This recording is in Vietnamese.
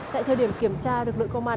tại thời điểm kiểm tra đội công an